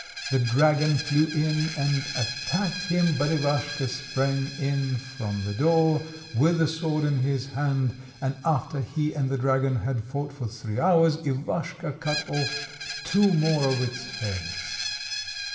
The dragon flew in and attacked him, but Ivaschka sprang in from the door with the sword in his hand, and after he and the dragon had fought for three hours Ivaschka cut off two more of its heads.